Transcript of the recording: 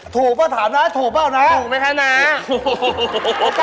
ถูกปะถามนะถูกปะเอาหนัก